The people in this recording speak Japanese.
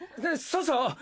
そうそう。